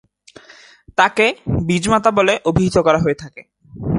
তাকে 'বীজ মাতা' বলে অভিহিত করা হয়ে থাকে।